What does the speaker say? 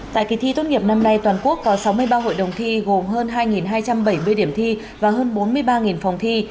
tại kỳ thi tốt nghiệp năm nay toàn quốc có sáu mươi ba hội đồng thi gồm hơn hai hai trăm bảy mươi điểm thi và hơn bốn mươi ba phòng thi